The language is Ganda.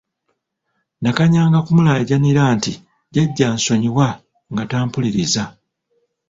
Nakanyanga kumulaajanira nti Jjajja nsonyiwa nga tampuliriza.